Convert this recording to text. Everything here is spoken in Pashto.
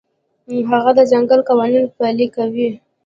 هغه د ځنګل قانون پلی کاوه.